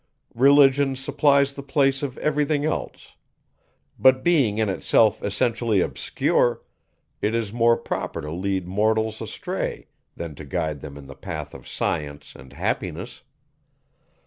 Religion supplies the place of every thing else: but being in itself essentially obscure, it is more proper to lead mortals astray than to guide them in the path of science and happiness.